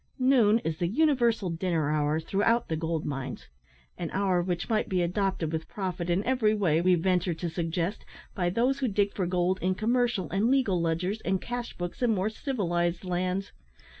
Noon is the universal dinner hour throughout the gold mines, an hour which might be adopted with profit in every way, we venture to suggest, by those who dig for gold in commercial and legal ledgers and cash books in more civilised lands.